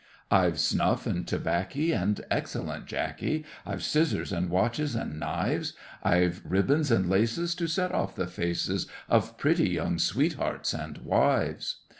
I've snuff and tobaccy, and excellent jacky, I've scissors, and watches, and knives I've ribbons and laces to set off the faces Of pretty young sweethearts and wives.